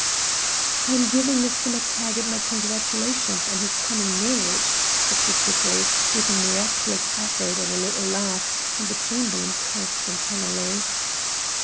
"I'm giving Mr. MacTaggart my congratulations on his coming marriage," said she quickly, with a miraculous effort at a little laugh, and the Chamberlain cursed internally.